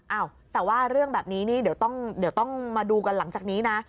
อ้าวแต่ว่าเรื่องแบบนี้นี่เดี๋ยวต้องมาดูกันหลังจากนี้นะ